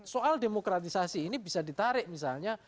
soal demokratisasi ini bisa ditarik misalnya